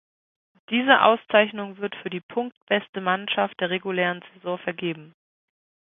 Diese Auszeichnung wird für die punktbeste Mannschaft der regulären Saison vergeben.